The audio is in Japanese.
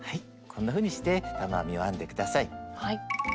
こんなふうにして玉編みを編んで下さい。